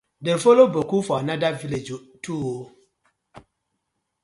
Dem follow boku for another villag too oo.